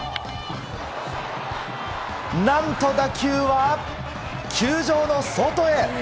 何と打球は球場の外へ！